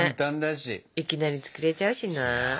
いきなり作れちゃうしな。